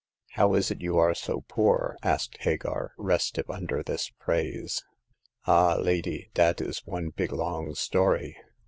How is it you are so poor ?" asked Hagar, restive under this praise. Ah, lady, dat is one big long story."